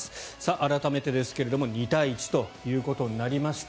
改めてですが２対１ということになりました。